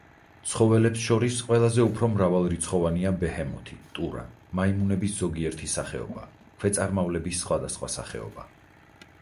ცხოველებს შორის ყველაზე უფრო მრავალრიცხოვანია ბეჰემოთი, ტურა, მაიმუნების ზოგიერთი სახეობა, ქვეწარმავლების სხვადასხვა სახეობა.